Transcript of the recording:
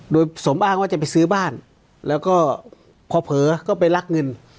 โดยสมอ้างว่าจะไปซื้อบ้านแล้วก็พอเผลอก็ไปลักเงิน